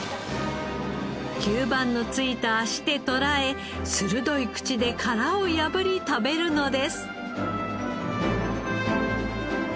吸盤のついた足でとらえ鋭い口で殻を破り食べるのです。